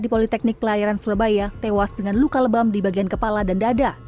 di politeknik pelayaran surabaya tewas dengan luka lebam di bagian kepala dan dada